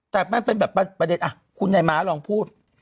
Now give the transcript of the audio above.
แต่แบบข้อเด็ดะคุณไน่ม้าลองพูด